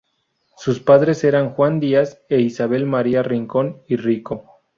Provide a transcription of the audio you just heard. Sus padres eran Juan Díaz e Isabel María Rincón y Rico.